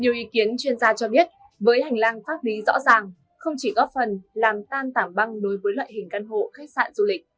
nhiều ý kiến chuyên gia cho biết với hành lang pháp lý rõ ràng không chỉ góp phần làm tan tảng băng đối với loại hình căn hộ khách sạn du lịch